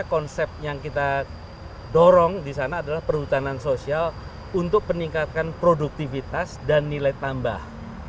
konsep yang kita dorong di sana adalah perhutanan sosial untuk meningkatkan produktivitas dan nilai tambah